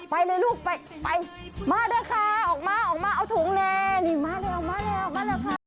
ไปเลยลูกไปมาด้วยค่ะออกมาเอาถุงแม่ออกมาแล้วค่ะ